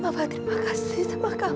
maaf terima kasih sama kamu